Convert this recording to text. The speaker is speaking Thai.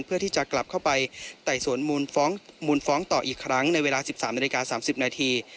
เพื่อที่จะกลับเข้าไปต่๗๖วงมุ้นฟ้องต่ออีกครั้งในเวลา๑๓นาที